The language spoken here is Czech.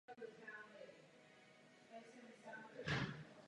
Pramení v rakouské vesnici Redlschlag.